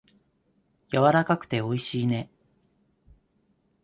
やわらかくておいしいね。